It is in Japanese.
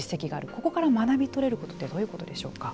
ここから学びとれることってどういうことでしょうか。